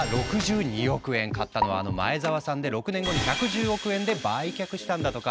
買ったのはあの前澤さんで６年後に１１０億円で売却したんだとか。